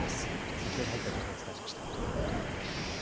先ほど入った情報をお伝えしました。